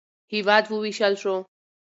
هېواد ووېشل شو.